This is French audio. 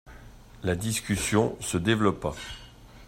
La discussion se développa.